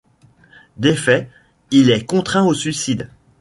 Défait, il est contraint au suicide.